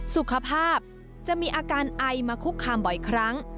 สุขภาพจะมีอาการไอมาคุกคามบ่อยครั้ง